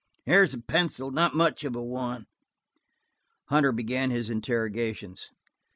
"Here's a pencil–not much of one." Hunter began his interrogations.